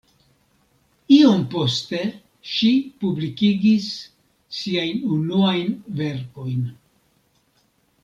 Iom poste ŝi publikigis siajn unuajn verkojn.